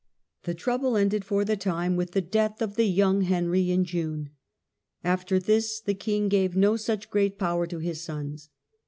The trouble ended for the time with the death of the young Henry in June. After this the king gave no such great power to his sons.